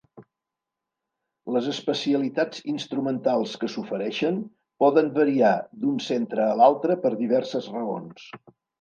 Les especialitats instrumentals que s'ofereixen poden variar d'un centre a l'altre per diverses raons.